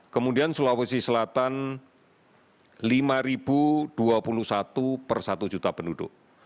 kemudian sulawesi selatan lima dua puluh satu per satu juta penduduk